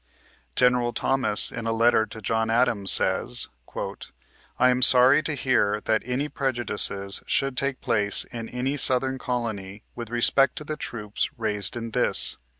General Thomas, in a letter to John Adams, says : "lam sorry to hear that any prejudices should take place in any southern colony witli respect to the troops raised in this.